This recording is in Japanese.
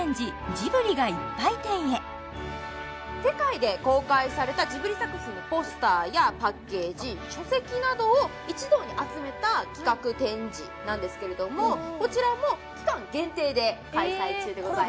「ジブリがいっぱい展」へ世界で公開されたジブリ作品のポスターやパッケージ書籍などを一堂に集めた企画展示なんですけれどもこちらも期間限定で開催中でございます